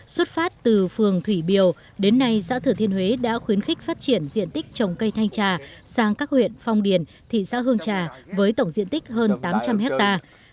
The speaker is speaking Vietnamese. xuất phát từ phường thủy biều đến nay xã thừa thiên huế đã khuyến khích phát triển diện tích trồng cây thanh trà sang các huyện phong điền thị xã hương trà với tổng diện tích hơn tám trăm linh hectare